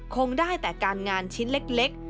คงได้แต่การงานชิ้นเล็ก